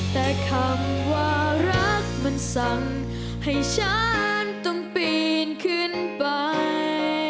แต่คำว่ารักมันสั่งให้ฉันต้องปีนขึ้นไป